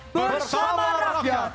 tsung minim indonesia